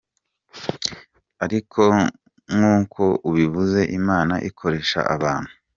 Ariko nk’uko ubivuze Imana ikoresha abantu.